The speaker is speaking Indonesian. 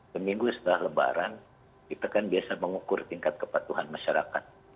seminggu setelah lebaran kita kan biasa mengukur tingkat kepatuhan masyarakat